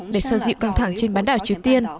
để xoa dịu căng thẳng trên bán đảo triều tiên